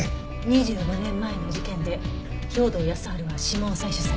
２５年前の事件で兵働耕春は指紋を採取されてるわ。